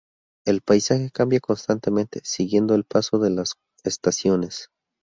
El paisaje cambia constantemente siguiendo el paso de las estaciones.